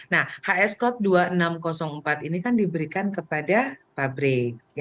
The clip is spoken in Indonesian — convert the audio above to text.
nah hs code dua ribu enam ratus empat ini kan diberikan kepada pabrik